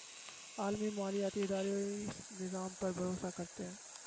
عالمی مالیاتی ادارے اس نظام پر بھروسہ کرتے ہیں۔